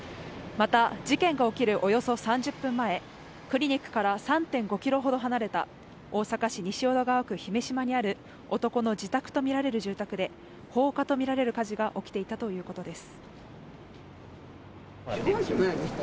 また事件が起きるおよそ３０分前クリニックから３．５キロほど離れた大阪市西淀川区姫島にある男の自宅とみられる住宅で放火とみられる火事が起きていたということです